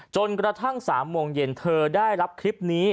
จนกระทั่ง๓โมงเย็นเธอได้รับคลิปนี้